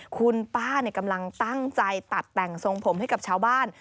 คุณป้ากำลังตั้งใจตัดแต่งทรงผมให้กับชาวบ้าน